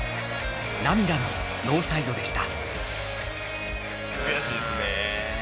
涙のノーサイドでした。